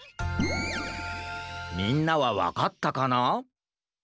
みんなはわかったかな？